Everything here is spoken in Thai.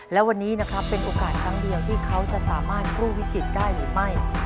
และวันนี้นะครับเป็นโอกาสครั้งเดียวที่เขาจะสามารถกู้วิกฤตได้หรือไม่